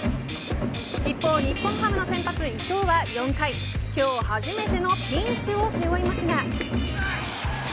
一方、日本ハムの先発、伊藤は４回、今日初めてのピンチを背負いますが。